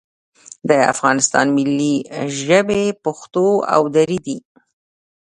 د افغانستان ملي ژبې پښتو او دري دي